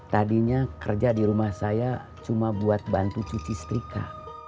tadinya kerja di rumah saya cuma buat bantu cuci setrika